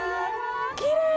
きれい！